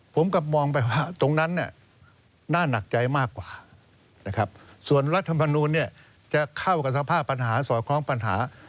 รัฐมานูลเนี่ยจะเข้ากับสภาพปัญหาส่วนของปัญหา